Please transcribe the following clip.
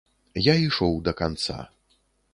Я ішоў да канца.